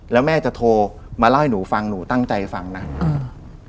แล้วแม่จะโทรมาเล่าให้หนูฟังหนูตั้งใจฟังนะอืม